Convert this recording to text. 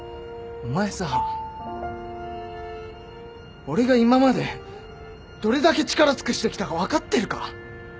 お前さ俺が今までどれだけ力尽くしてきたか分かってるか？